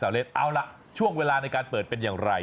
เล่นเอาล่ะช่วงเวลาในการเปิดเป็นอย่างไร